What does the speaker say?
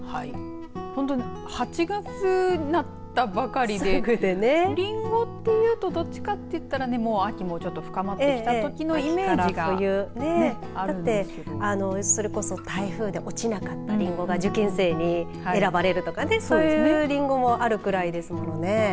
本当、８月なったばかりでリンゴっていうとどっちかといったら秋もちょっと深まってきたときのイメージがあるんですけどそれこそ台風で落ちなかったリンゴが受験生に選ばれるとかねそういうリンゴもあるくらいですもんね。